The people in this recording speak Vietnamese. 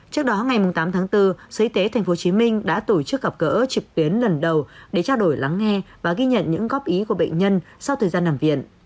trước đó ngày tám tháng bốn sở y tế tp hcm đã tổ chức gặp gỡ trực tuyến lần đầu để trao đổi lắng nghe và ghi nhận những góp ý của bệnh nhân sau thời gian nằm viện